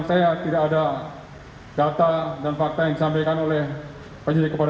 saya tidak ada data dan fakta yang disampaikan ke teman teman